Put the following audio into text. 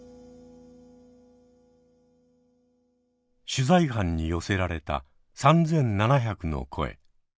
取材班に寄せられた３，７００の声。